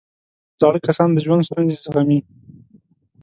زاړه کسان د ژوند ستونزې زغمي